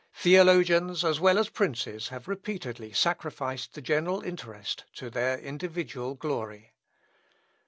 Theologians, as well as princes, have repeatedly sacrificed the general interest to their individual glory.